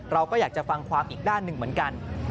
เราก็อยากจะฟังความอีกด้านหนึ่งเหมือนกัน